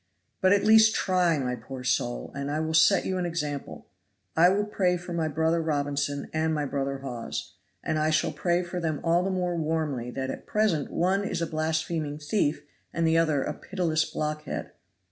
But at least try, my poor soul, and I will set you an example. I will pray for my brother Robinson and my brother Hawes, and I shall pray for them all the more warmly that at present one is a blaspheming thief and the other a pitiless blockhead."